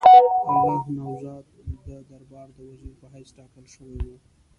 الله نواز د دربار د وزیر په حیث ټاکل شوی وو.